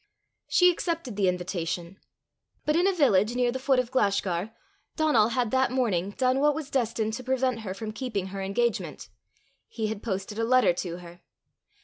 She accepted the invitation. But in a village near the foot of Glashgar, Donal had that morning done what was destined to prevent her from keeping her engagement: he had posted a letter to her.